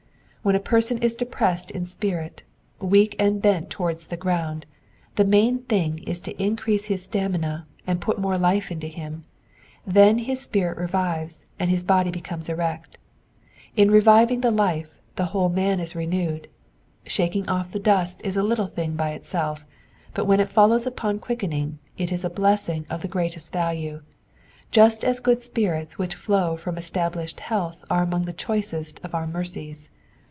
When a person is depress^ in spirit, weak, and bent towards the ground, the main thing is to increase his stamina and >ut more life into him ; then his spirit revives, and his body becomes erect. n reviving the life, the whole man is renewed. Shaking off the dust is a little thing by itself, but when it follows upon quickening, it is a blessing of the greatest value ; just as good spirits which flow from established health are among the choicest of our mercies.